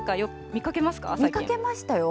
見かけましたよ。